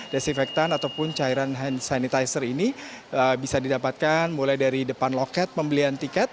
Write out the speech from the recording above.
desinfektan ataupun cairan hand sanitizer ini bisa didapatkan mulai dari depan loket pembelian tiket